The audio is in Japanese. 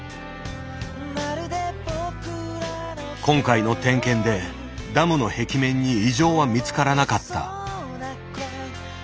今回の点検でダムの壁面に異常は見つからなかった。